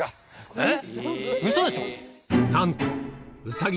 えっ！